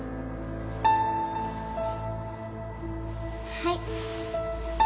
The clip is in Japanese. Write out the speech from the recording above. はい。